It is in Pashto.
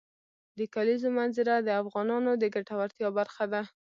د کلیزو منظره د افغانانو د ګټورتیا برخه ده.